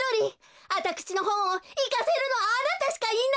あたくしのほんをいかせるのはあなたしかいないのよ！